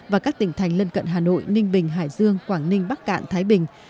và các tỉnh thành lân cận hà nội ninh bình hải dương quảng ninh bắc cạn thái bình